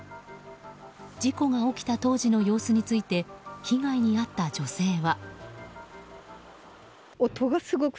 事故が起きた当時の様子について被害に遭った女性は。